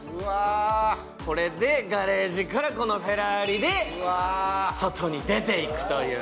ガレージからこのフェラーリで外に出ていくという。